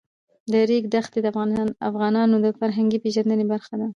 د ریګ دښتې د افغانانو د فرهنګي پیژندنې برخه ده.